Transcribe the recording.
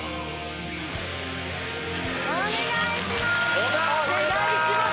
お願いします！